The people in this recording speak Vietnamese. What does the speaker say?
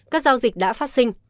các giao dịch đã phát sinh